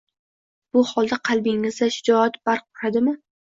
bu holda qalbingizda shijoat barq uradimi?